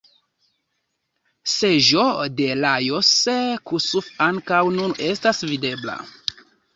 Seĝo de Lajos Kossuth ankaŭ nun estas videbla.